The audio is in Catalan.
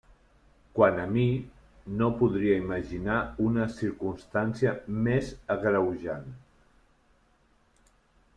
Quant a mi, no podria imaginar una circumstància més agreujant.